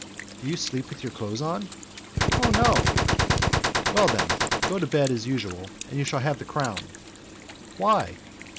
"Do you sleep with your clothes on?" "Oh, no!" "Well, then, go to bed as usual, and you shall have the crown." "Why?"